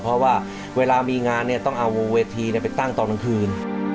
เพราะว่าเวลามีงานเนี่ยต้องเอาวงเวทีไปตั้งตอนกลางคืน